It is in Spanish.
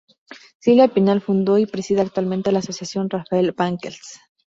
Silvia Pinal fundó y preside actualmente la Asociación Rafael Banquells.